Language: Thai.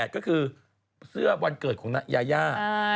ก็คือเสื้อวันเกิดของยาย่า